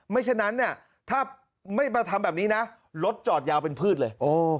ฉะนั้นเนี่ยถ้าไม่มาทำแบบนี้นะรถจอดยาวเป็นพืชเลย